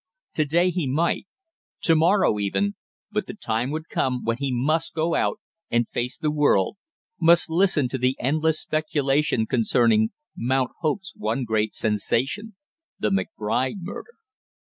To day he might, to morrow even, but the time would come when he must go out and face the world, must listen to the endless speculation concerning Mount Hope's one great sensation, the McBride murder.